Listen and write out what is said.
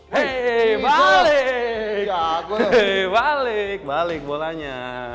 hei balik balik bolanya